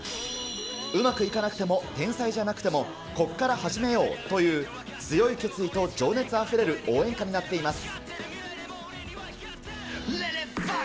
うまくいかなくても、天才じゃなくてもこっから始めよう！という、強い決意と情熱あふれる応援歌になっています。